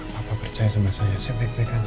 papa percaya sama saya saya baik baik aja